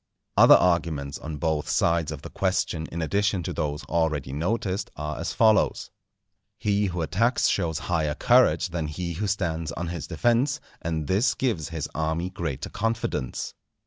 Other arguments on both sides of the question in addition to those already noticed, are as follows: He who attacks shows higher courage than he who stands on his defence, and this gives his army greater confidence.